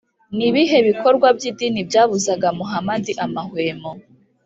ni ibihe bikorwa by’idini byabuzaga muhamadi amahwemo?